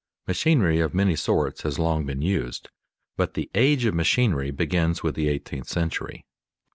_Machinery of many sorts has long been used, but the "age of machinery" begins with the eighteenth century.